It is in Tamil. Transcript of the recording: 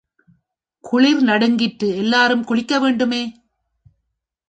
குளிர் நடுங்கிற்று எல்லாரும் குளிக்க வேண்டுமே!